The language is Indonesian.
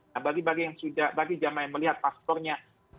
nah bagi jama yang melihat paspornya